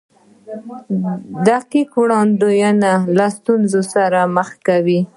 دقیقې وړاندوینې له ستونزو سره مخ کوي.